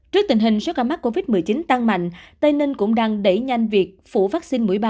trước tình hình do ca mắc covid một mươi chín tăng mạnh tây ninh cũng đang đẩy nhanh việc phủ vắc xin mũi ba